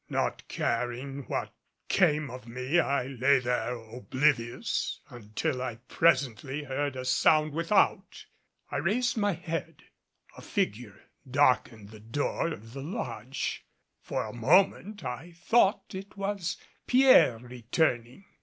Not caring what came of me I lay there oblivious, until I presently heard a sound without. I raised my head, a figure darkened the door of the lodge. For a moment, I thought it was Pierre returning.